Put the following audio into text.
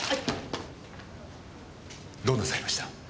どうなさいました？